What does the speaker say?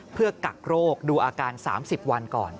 เพื่อกักโรคดูอาการ๓๐วันก่อน